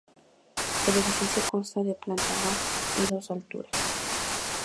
El edificio consta de planta baja y dos alturas.